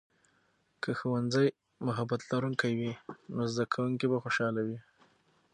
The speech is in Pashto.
که ښوونځی محبت لرونکی وي، نو زده کوونکي به خوشاله وي.